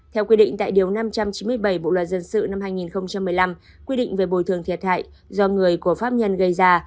theo quy định tại điều năm trăm chín mươi bảy bộ luật dân sự năm hai nghìn một mươi năm quy định về bồi thường thiệt hại do người của pháp nhân gây ra